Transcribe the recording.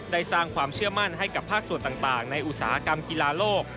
สร้างความเชื่อมั่นให้กับภาคส่วนต่างในอุตสาหกรรมกีฬาโลก